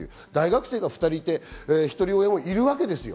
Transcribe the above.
大学生が２人いて、ひとり親もいるわけです。